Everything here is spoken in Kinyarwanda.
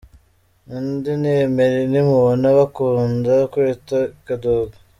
Undi ni Emery Nimubona bakunda kwita Kadogo.